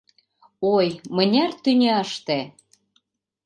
Ой, мыняре тӱняште